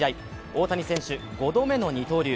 大谷選手、５度目の二刀流。